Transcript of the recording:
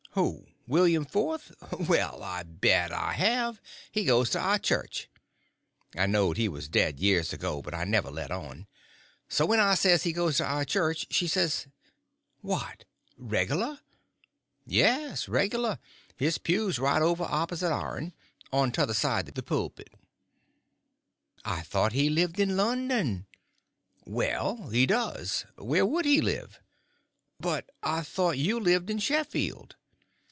"Who? William Fourth? Well, I bet I have—he goes to our church." I knowed he was dead years ago, but I never let on. So when I says he goes to our church, she says: "What—regular?" "Yes—regular. His pew's right over opposite ourn—on t'other side the pulpit." "I thought he lived in London?" "Well, he does. Where would he live?" "But I thought you lived in Sheffield?"